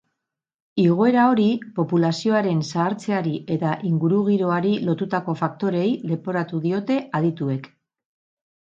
Igoera hori populazioaren zahartzeari eta ingurugiroari lotutako faktoreei leporatu diote adituek.